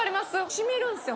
染みるんすよ